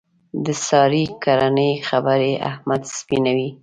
د سارې کړنې خبرې احمد سپینوي.